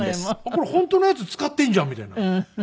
これ本当のやつ使ってんじゃんみたいな。